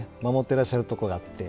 てらっしゃるとこがあって。